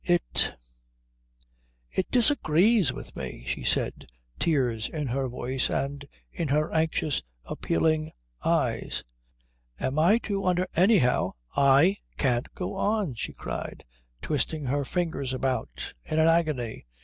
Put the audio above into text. "It it disagrees with me," she said, tears in her voice and in her anxious, appealing eyes. "Am I to under " "Anyhow I can't go on," she cried, twisting her fingers about in an agony.